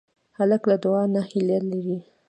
هلک له دعا نه هیله لري.